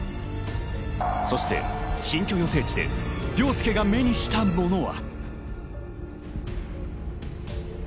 そして新居予定地で凌介が目にしたものは。